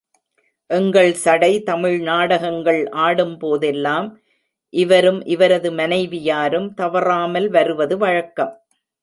எங்கள் சடை தமிழ் நாடகங்கள் ஆடும் போதெல்லாம், இவரும் இவரது மனைவியாரும் தவறாமல் வருவது வழக்கம்.